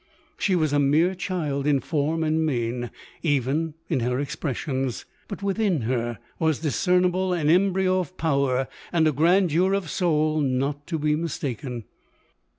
She was a mere child in form and mien — even in her expressions; but within her was discernible an embryo of power, and a grandeur of soul, not to be mistaken.